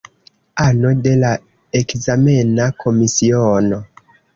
Ano de la ekzamena komisiono.